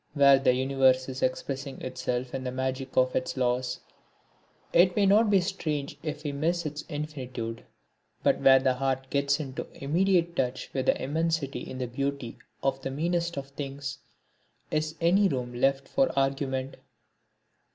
Where the universe is expressing itself in the magic of its laws it may not be strange if we miss its infinitude; but where the heart gets into immediate touch with immensity in the beauty of the meanest of things, is any room left for argument?